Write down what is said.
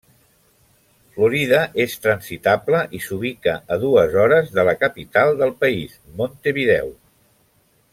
Florida és transitable i s'ubica a dues hores de la capital del país, Montevideo.